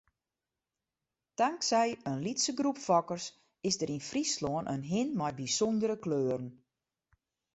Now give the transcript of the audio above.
Tanksij in lytse groep fokkers is der yn Fryslân in hin mei bysûndere kleuren.